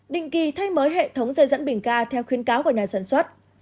định kỳ thay mới hệ thống dây dẫn bình ca theo khuyến cáo của nhà sản xuất